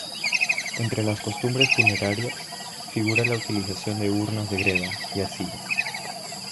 Entre las costumbres funerarias, figura la utilización de urnas de greda, y arcilla.